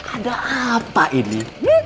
ada apa ini